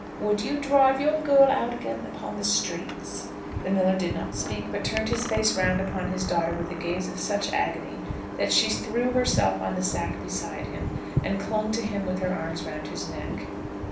Would you drive your girl out again upon the streets?" The miller still did not speak, but turned his face round upon his daughter with a gaze of such agony that she threw herself on the sack beside him, and clung to him with her arms round his neck.